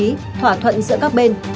tâm lý thỏa thuận giữa các bên